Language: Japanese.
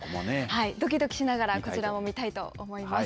ドキドキしながらこちらも見たいと思います。